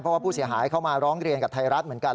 เพราะว่าผู้เสียหายเข้ามาร้องเรียนกับไทยรัฐเหมือนกัน